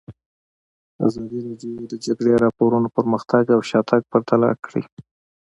ازادي راډیو د د جګړې راپورونه پرمختګ او شاتګ پرتله کړی.